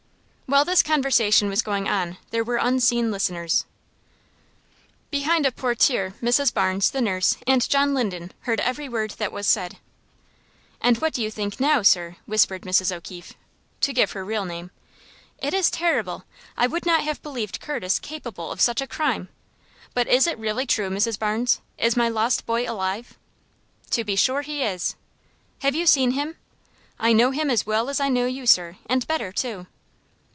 While this conversation was going on there were unseen listeners. Behind a portiere Mrs. Barnes, the nurse, and John Linden heard every word that was said. "And what do you think now, sir?" whispered Mrs. O'Keefe (to give her real name). "It is terrible. I would not have believed Curtis capable of such a crime. But is it really true, Mrs. Barnes? Is my lost boy alive?" "To be sure he is." "Have you seen him?" "I know him as well as I know you, sir, and better, too."